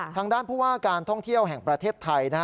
ทางด้านผู้ว่าการท่องเที่ยวแห่งประเทศไทย